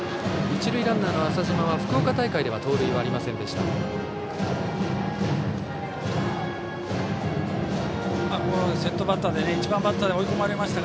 一塁ランナーの浅嶋は福岡大会では盗塁はありません。